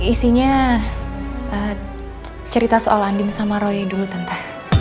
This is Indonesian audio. isinya cerita soal anding sama roy dulu tante